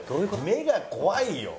目が怖いよ。